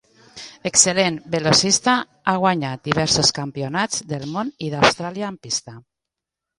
Excel·lent velocista, ha guanyat diversos campionats del món i d'Austràlia en pista.